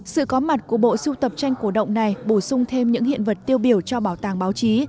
sự có mặt của bộ sưu tập tranh cổ động này bổ sung thêm những hiện vật tiêu biểu cho bảo tàng báo chí